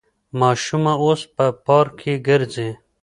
ماشومه اوس په پارک کې ګرځي.